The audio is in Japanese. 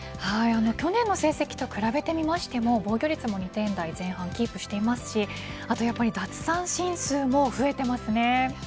去年の成績と比べてみても防御率は２点台前半をキープしていますし奪三振数も増えていますね。